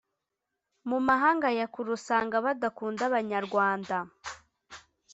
mu mahanga yakure usanga badakunda abanyarwanda